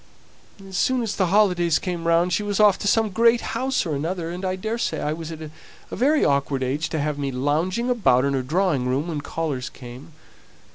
As soon as the holidays came round she was off to some great house or another; and I daresay I was at a very awkward age to have me lounging about in the drawing room when callers came.